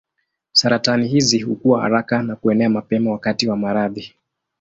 Saratani hizi hukua haraka na kuenea mapema wakati wa maradhi.